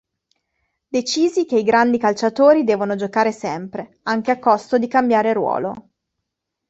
Decisi che i grandi calciatori devono giocare sempre, anche a costo di cambiare ruolo.